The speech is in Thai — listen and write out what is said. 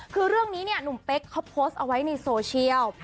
คือเรื่องนี้เนี่ยหนุ่มเป๊กเขาโพสต์เอาไว้ในโซเชียล